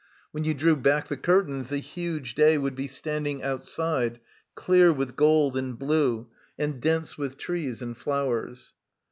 When you drew back the curtains the huge day would be standing outside clear with gold and blue and dense with trees and flowers.